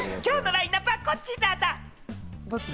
今日のラインナップはこちらだ！